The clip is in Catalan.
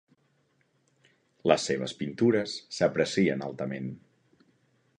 Les seves pintures s'aprecien altament.